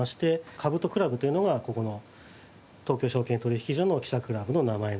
兜クラブというのがここの東京証券取引所の記者クラブの名前がありまして。